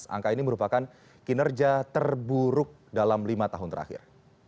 angka ini merupakan kinerja terburuk dalam lima tahun terakhir